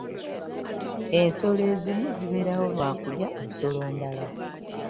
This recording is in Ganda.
Ensolo ezimu zibeerawo lwa kulya nsolo ndala.